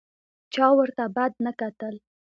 چا ورته بد نه کتل.